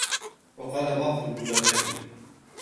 وَقَدْ قَالَ بَعْضُ الْبُلَغَاءِ